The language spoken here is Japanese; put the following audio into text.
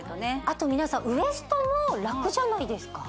あと皆さんウエストもラクじゃないですか？